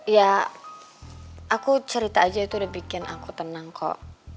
ya aku cerita aja itu udah bikin aku tenang kok